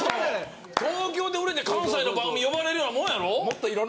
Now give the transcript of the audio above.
東京で売れて関西の番組呼ばれるようなもんやろ。